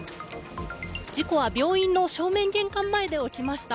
事故は病院の正面玄関前で起きました。